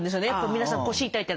皆さん腰痛いって。